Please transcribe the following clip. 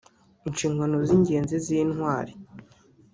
Inshingano z’ingenzi z’Intwari